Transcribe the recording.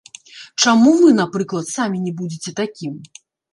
Чаму вы, напрыклад, самі не будзеце такім?